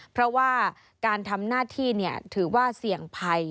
เพราะว่าการทำหน้าที่ถือว่าเสี่ยงภัย